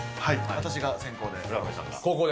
私が先攻で。